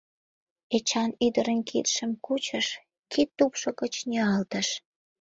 Эчан ӱдырын кидшым кучыш, кид тупшо гыч ниялтыш.